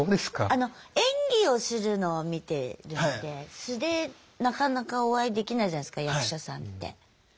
あの演技をするのを見てるので素でなかなかお会いできないじゃないすか役者さんって。